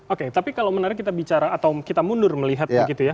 oke tapi kalau menarik kita bicara atau kita mundur melihat begitu ya